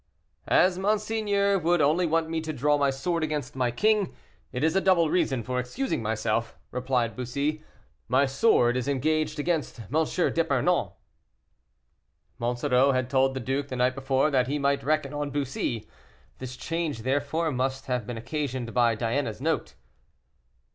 "As monseigneur would only want me to draw my sword against my king, it is a double reason for excusing myself," replied Bussy; "my sword is engaged against M. d'Epernon." Monsoreau had told the duke the night before that he might reckon on Bussy; this change, therefore, must have been occasioned by Diana's note.